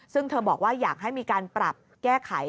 ซึ่งเธอบอกว่าอยากให้มีการปรับแก้ไข